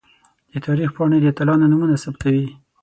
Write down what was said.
د تاریخ پاڼې د اتلانو نومونه ثبتوي.